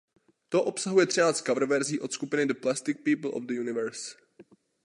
To obsahuje třináct coververzí od skupiny The Plastic People of the Universe.